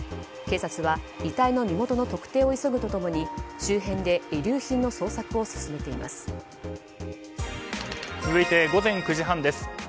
警察は遺体の身元の特定を急ぐと共に周辺で遺留品の捜索を続いて午前９時半です。